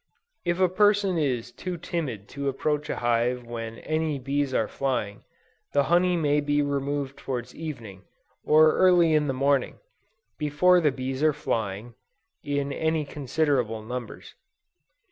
If a person is too timid to approach a hive when any bees are flying, the honey may be removed towards evening, or early in the morning, before the bees are flying, in any considerable numbers.